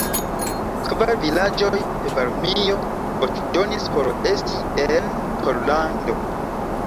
Kvar vilaĝoj de Varmio voĉdonis por esti en Pollando.